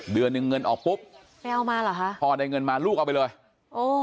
เดือนหนึ่งเงินออกปุ๊บไม่เอามาเหรอคะพ่อได้เงินมาลูกเอาไปเลยโอ้